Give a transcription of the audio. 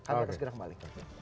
kami akan segera kembali